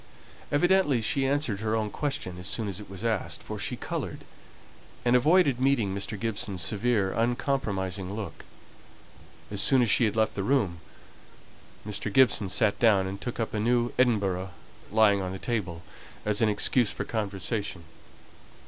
Evidently, she answered her own question as soon as it was asked, for she coloured, and avoided meeting Mr. Gibson's severe, uncompromising look. As soon as she had left the room, Mr. Gibson sat down, and took up a new Edinburgh lying on the table, as an excuse for conversation.